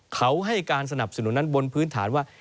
เขาให้การสนับสนุนนั้นบนพื้นฐานว่า